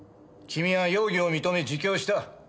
君は容疑を認め自供した。